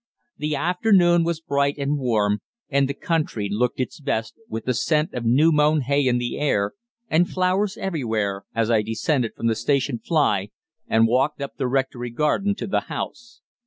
The afternoon was bright and warm, and the country looked its best, with the scent of new mown hay in the air, and flowers everywhere, as I descended from the station fly and walked up the rectory garden to the house.